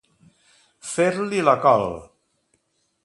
Fer-li la col.